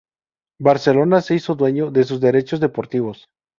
Barcelona se hizo dueño de sus derechos deportivos.